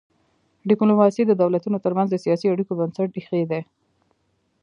ډیپلوماسي د دولتونو ترمنځ د سیاسي اړیکو بنسټ ایږدي.